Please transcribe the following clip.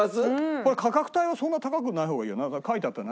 これ価格帯はそんな高くない方がいいよな。